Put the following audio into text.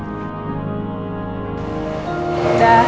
riri pasti suka yang ini nih